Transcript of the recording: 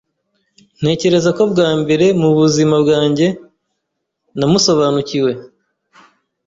Ntekereza ko, bwa mbere mu buzima bwanjye, namusobanukiwe.